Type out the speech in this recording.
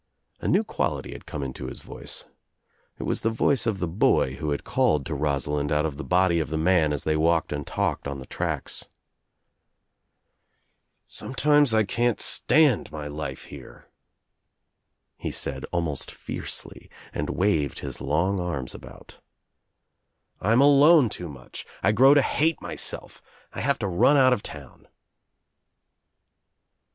A new quality had come into his voice. It was the voice of the hoy who had called to Rosalind out of the body of the man as they walked and talked on the traclts. "Sometimes I can't stand my life here," he said almost fiercely and waved his long arms about. "I'm alone too much. I grow to hate myself. I have to run out of town."